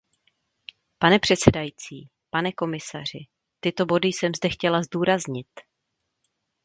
Pane předsedající, pane komisaři, tyto body jsem zde chtěla zdůraznit.